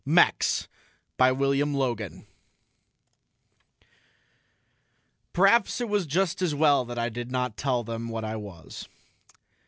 _ mex by ... WILLIAM LOGAN Perhaps it was just as well that I did not tell them what I was....